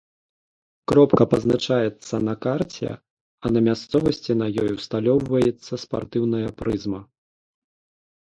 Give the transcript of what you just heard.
Кропка пазначаецца на карце, а на мясцовасці на ёй усталёўваецца спартыўная прызма.